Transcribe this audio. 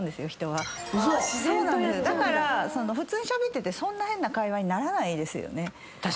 ウソ⁉普通にしゃべっててそんな変な会話にならないですよね。